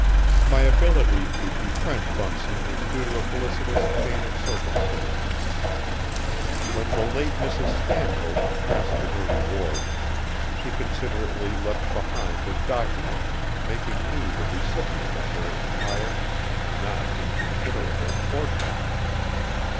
My ability to befriend Bunsey was due to a felicitous chain of circumstances. When the late Mrs. Stanhope passed to her reward, she considerately left behind a document making me the recipient of her entire and not inconsiderable fortune.